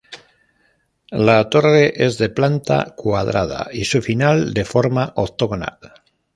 La torre es de planta cuadrada, y su final de forma octogonal.